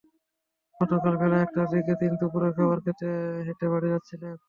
গতকাল বেলা একটার দিকে তিনি দুপুরের খাবার খেতে হেঁটে বাড়ি যাচ্ছিলেন।